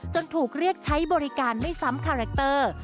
ถูกเรียกใช้บริการไม่ซ้ำคาแรคเตอร์